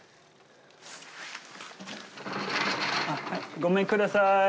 ごめんください。